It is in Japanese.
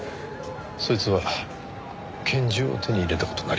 そいつは拳銃を手に入れた事になりますね。